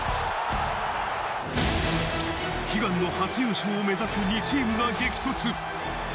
悲願の初優勝を目指す２チームが激突。